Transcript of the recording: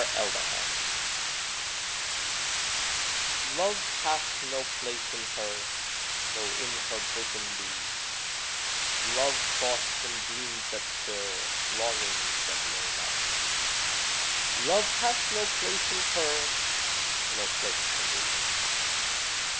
NEVER (Song) Love hath no place in her, Though in her bosom be Love thoughts and dreams that stir Longings that know not me: Love hath no place in her, No place for me.